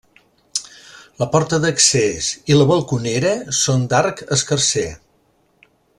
La porta d'accés i la balconera són d'arc escarser.